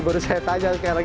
baru saya tanya sekarang